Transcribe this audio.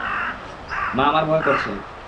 মা, আমার ভয় করছে।